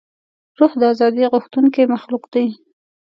روح د ازادۍ غوښتونکی مخلوق دی.